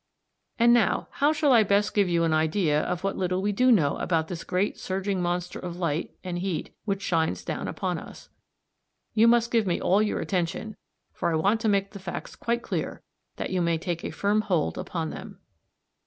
And now how shall I best give you an idea of what little we do know about this great surging monster of light and heat which shines down upon us? You must give me all your attention, for I want to make the facts quite clear, that you may take a firm hold upon them.